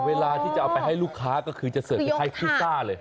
เวลาที่จะเอาไปให้ลูกค้าก็คือจะเสิร์ฟคล้ายพิซซ่าเลย